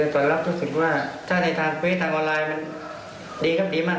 ก่อนรับรู้สึกว่าถ้าในทางเฟสทางออนไลน์มันดีครับดีมาก